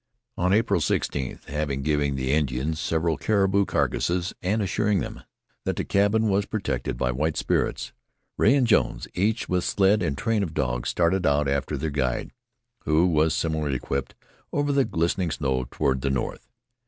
On April 16th, having given the Indians several caribou carcasses, and assuring them that the cabin was protected by white spirits, Rea and Jones, each with sled and train of dogs, started out after their guide, who was similarly equipped, over the glistening snow toward the north.